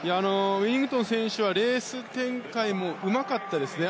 ウィニングトン選手はレース展開もうまかったですね。